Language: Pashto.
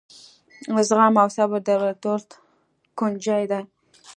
زغم او صبر د بریالیتوب کونجۍ ده.